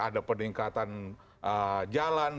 ada peningkatan jalan